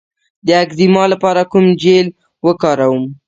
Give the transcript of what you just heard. د اکزیما لپاره کوم جیل وکاروم؟